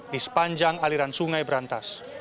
di sepanjang aliran sungai berantas